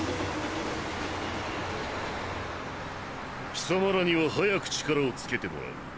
貴様らには早く力をつけてもらう。